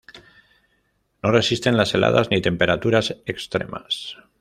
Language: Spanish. No resisten las heladas ni temperaturas extremas.